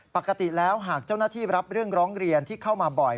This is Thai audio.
ปกติแล้วหากเจ้าหน้าที่รับเรื่องร้องเรียนที่เข้ามาบ่อย